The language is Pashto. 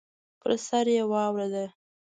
پر سر یې واوره ده.